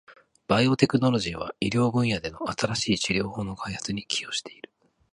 バイオテクノロジーは、医療分野での新しい治療法の開発に寄与している。